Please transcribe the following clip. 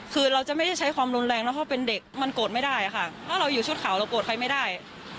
คือเราจะไม่ได้ใช้ความรุนแรงนะเพราะเป็นเด็กมันโกรธไม่ได้ค่ะถ้าเราอยู่ชุดขาวเราโกรธใครไม่ได้